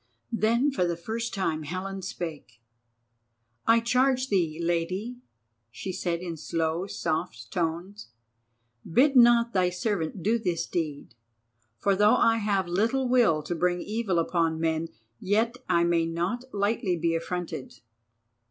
Then for the first time Helen spake: "I charge thee, Lady," she said in slow soft tones, "bid not thy servant do this deed, for though I have little will to bring evil upon men, yet I may not lightly be affronted."